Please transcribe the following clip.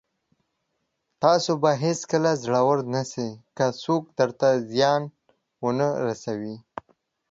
تاسو به هېڅکله زړور نسٸ، که څوک درته زيان ونه رسوي.